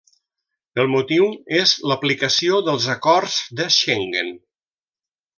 El motiu és l'aplicació dels acords de Schengen.